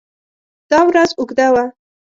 دا ورځ اوږده وه.